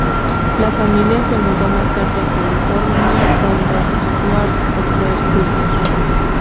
La familia se mudó más tarde a California, donde Stuart cursó estudios.